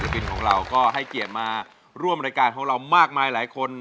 กินของเราก็ให้เกียรติมาร่วมรายการของเรามากมายหลายคน